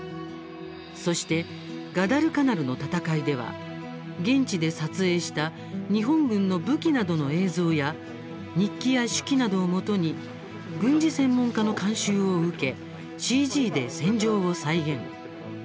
そして、ガダルカナルの戦いでは現地で撮影した日本軍の武器などの映像や日記や手記などをもとに軍事専門家の監修を受けＣＧで戦場を再現。